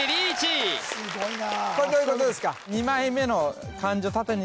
すごいなこれどういうことですか？